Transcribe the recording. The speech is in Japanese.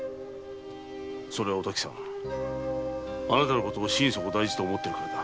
それはあなたのことを心底大事に思っているからだ。